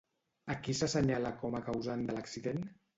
A qui s'assenyala com a causant de l'accident?